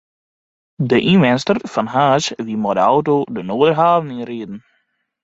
De ynwenster fan Harns wie mei de auto de Noarderhaven yn riden.